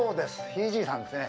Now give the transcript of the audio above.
ひいじいさんですね